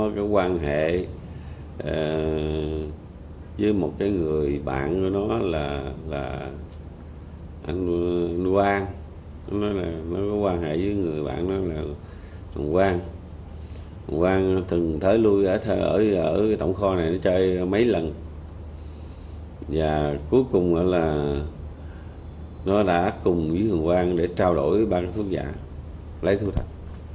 và cuối cùng là nó đã cùng với quang để trao đổi ba thuốc giả lấy thuốc thật